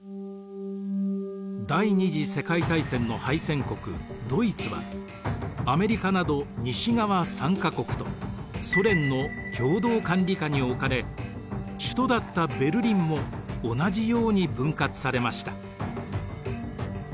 第二次世界大戦の敗戦国ドイツはアメリカなど西側３か国とソ連の共同管理下に置かれ首都だったベルリンも同じように分割されました。